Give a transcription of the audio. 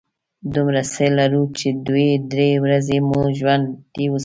دومره څه لرو چې دوې – درې ورځې مو ژوندي وساتي.